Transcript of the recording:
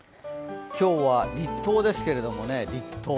今日は立冬ですけれども、立冬。